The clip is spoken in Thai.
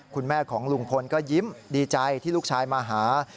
คุณแม่ของลุงพลก็ยิ้มดีใจที่ลูกชายมาหา